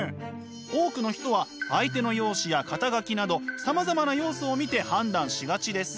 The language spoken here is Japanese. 多くの人は相手の容姿や肩書などさまざまな要素を見て判断しがちです。